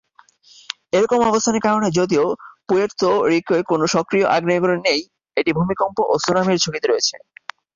এরকম অবস্থানের কারনে যদিও পুয়ের্তো রিকোয় কোন সক্রিয় আগ্নেয়গিরি নেই, এটি ভূমিকম্প ও সুনামির ঝুঁকিতে রয়েছে।